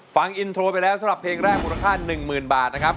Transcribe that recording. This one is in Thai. ฟังอินโทรไปแล้วสำหรับเพลงแรกมูลค่า๑๐๐๐บาทนะครับ